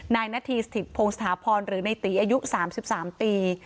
นายนาธิสถิกพงศ์สถาพรหรือในตีอายุ๓๓ปี